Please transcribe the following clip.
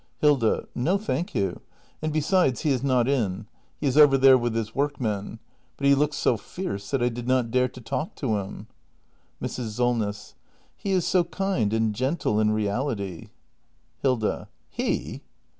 Hilda. No, thank you. And besides, he is not in. He is over there with his workmen. But he looked so fierce that I did not dare to talk to him. Mrs. Solness. He is so kind and gentle in reality. Hilda. He!